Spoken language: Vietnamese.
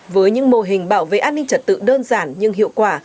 với những mô hình bảo vệ an hình tật tự đơn giản nhưng hiệu quả